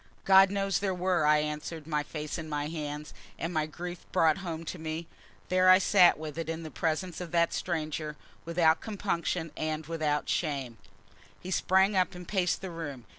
"God knows there were," I answered, my face in my hands; and, my grief brought home to me, there I sat with it in the presence of that stranger, without compunction and without shame. He sprang up and paced the room.